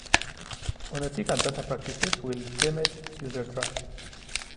Unethical data practices will damage user trust.